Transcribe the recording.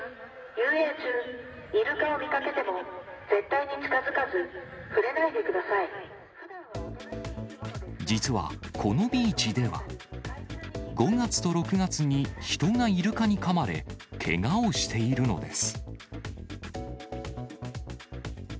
遊泳中、イルカを見かけても、絶対に近づかず、実は、このビーチでは、５月と６月に人がイルカにかまれ、けがをしているのです。